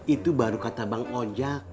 itu baru kata bang oja